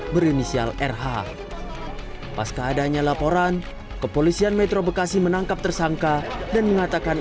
berinisial rh pas keadanya laporan kepolisian metro bekasi menangkap tersangka dan mengatakan